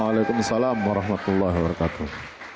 waalaikumsalam warahmatullahi wabarakatuh